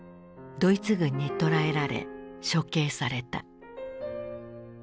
ドイツ軍に捕らえられ処刑された。